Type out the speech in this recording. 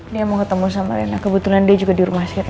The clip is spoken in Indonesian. dia mau ketemu sama rena kebetulan dia juga di rumah sehat yang sama